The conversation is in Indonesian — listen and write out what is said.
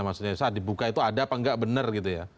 maksudnya saat dibuka itu ada apa enggak benar gitu ya